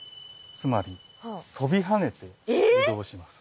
つまり跳びはねて移動します。